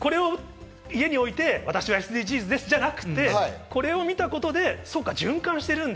これを家に置いて、私はＳＤＧｓじゃなくて、これを見たことで循環してるんだ。